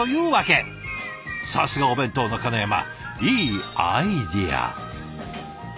さすがお弁当のかなやまいいアイデア。